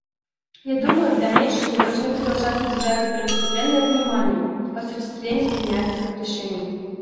Я думаю, в дальнейшем мы должны продолжать уделять первостепенное внимание осуществлению принятых решений.